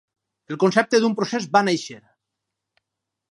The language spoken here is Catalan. El concepte d'un procés va néixer.